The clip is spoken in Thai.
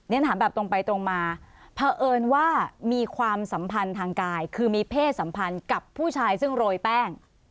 ถามแบบตรงไปตรงมาเผอิญว่ามีความสัมพันธ์ทางกายคือมีเพศสัมพันธ์กับผู้ชายซึ่งโรยแป้ง